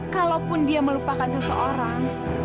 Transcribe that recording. kalaupun dia melupakan seseorang